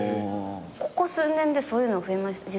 ここ数年でそういうの増えました。